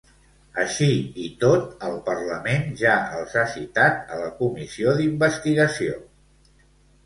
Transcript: Així i tot, el Parlament ja els ha citat a la comissió d'investigació.